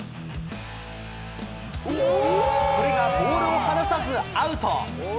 これがボールを離さずアウト。